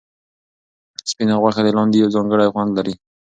سپینه غوښه د لاندي یو ځانګړی خوند لري.